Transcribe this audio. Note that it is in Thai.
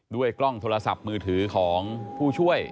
กล้องโทรศัพท์มือถือของผู้ช่วย